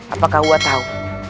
apakah wah tahu